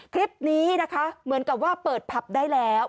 คลิปนี้นะคะเหมือนกับว่าเปิดผับได้แล้ว